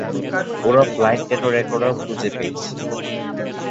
ওরা flight data recorder খুঁজে পেয়েছে?